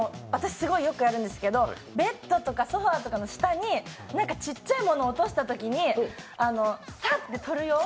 すごくよくやるんですけど、ベッドとかソファーとかの下にちっちゃいものを落としたときにさっと取る用？